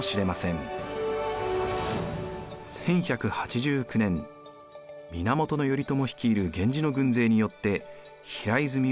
１１８９年源頼朝率いる源氏の軍勢によって平泉は陥落。